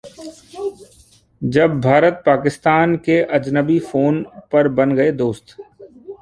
... जब भारत-पाकिस्तान के अजनबी फोन पर बन गए 'दोस्त'